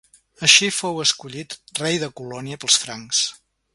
Així fou escollit rei de Colònia pels francs.